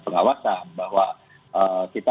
pengawasan bahwa kita